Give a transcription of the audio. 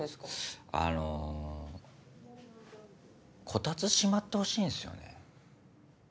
あのコタツしまってほしいんすよね。